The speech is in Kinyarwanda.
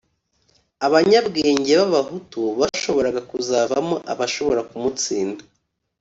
abanyabwenge b'abahutu bashoboraga kuzavamo abashobora kumutsinda